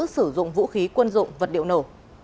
sử dụng vũ khí quân dụng vật điệu nổ